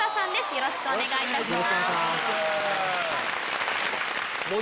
よろしくお願いします。